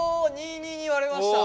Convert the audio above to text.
２２に割れました。